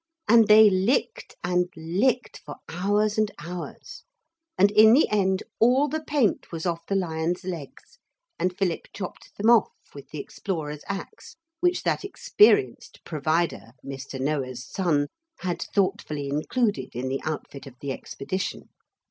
And they licked and licked for hours and hours. And in the end all the paint was off the lions' legs, and Philip chopped them off with the explorer's axe which that experienced Provider, Mr. Noah's son, had thoughtfully included in the outfit of the expedition.